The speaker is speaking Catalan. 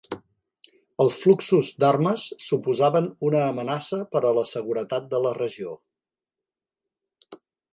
Els fluxos d'armes suposaven una amenaça per a la seguretat de la regió.